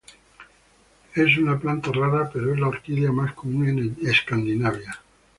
Es una planta rara, pero es la orquídea más común en Escandinavia.